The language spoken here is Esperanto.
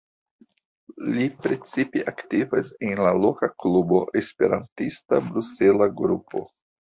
Li precipe aktivas en la loka klubo Esperantista Brusela Grupo.